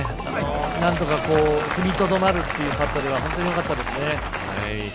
何とか踏みとどまるというパットではほんとによかったですね。